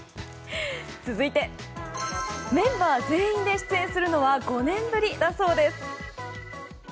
続いてメンバー全員で出演するのは５年ぶりだそうです。